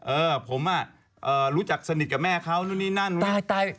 เออผมอ่ะรู้จักสนิทกับแม่เขานู่นนี่นั่นตาย